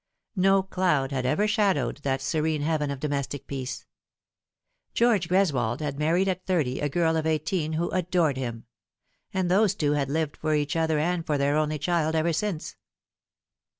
No cloud had ever shadowed that serene heaven of domestic peace. George Greswold had married at thirty a girl of eighteen who adored him ; and those two had lived for each other and for their only child ever since.